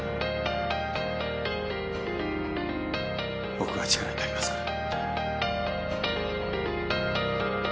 僕が力になりますから。